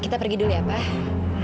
kita pergi dulu ya pak